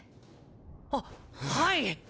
ははい。